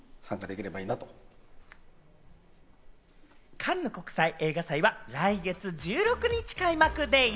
カンヌ国際映画祭は来月１６日開幕でぃす。